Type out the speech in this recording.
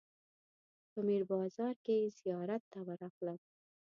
په میر بازار کې زیارت ته ورغلم.